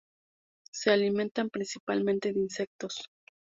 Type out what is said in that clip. Se alimentan principalmente de insectos.